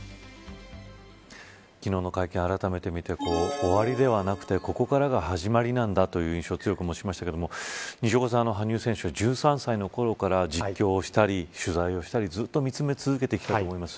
昨日の会見、あらためて見て終わりではなくて、ここからが始まりなんだという印象を強く感じましたが西岡さん、羽生選手を１３歳のころから実況したり取材したり、ずっと見つめ続けてきたと思います。